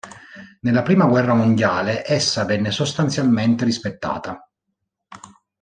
Nella Prima guerra mondiale essa venne sostanzialmente rispettata.